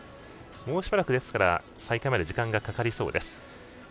もうしばらく再開まで時間がかかりそうです。